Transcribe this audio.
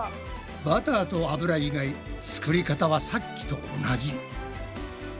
バターと油以外作り方はさっきと同じ。